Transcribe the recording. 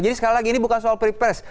jadi sekali lagi ini bukan soal pilpres